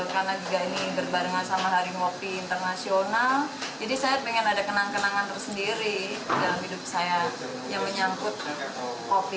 karena juga ini berbarengan sama hari kopi internasional jadi saya ingin ada kenangan kenangan tersendiri dalam hidup saya yang menyangkut kopi